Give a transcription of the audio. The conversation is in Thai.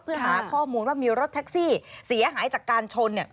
เพื่อหาข้อมูลว่ามีรถแท็กซี่เสียหายจากการชนเนี่ย